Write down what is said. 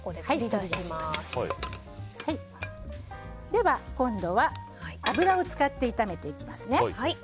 では、今度は油を使って炒めていきます。